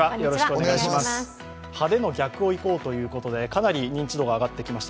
派手の逆をいこうということでかなり認知度が上がってきました